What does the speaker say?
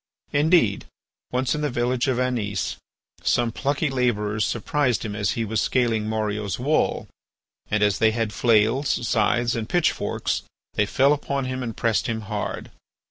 Indeed, once in the village of Anis some plucky labourers surprised him as he was scaling Morio's wall, and, as they had flails, scythes, and pitchforks, they fell upon him and pressed him hard.